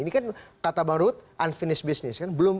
ini kan kata bang ruhut unfinished business kan